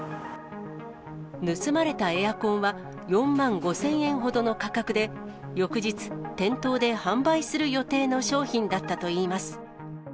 盗まれたエアコンは４万５０００円ほどの価格で、翌日、店頭で販売する予定の商品だったといいます。